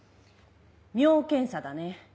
尿検査だね。